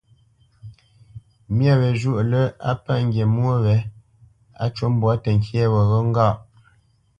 Myâ wě zhwôʼ lə́ á pə̂ ŋgi mwô wě, á cû mbwǎ tənkyé wéghó ŋgâʼ.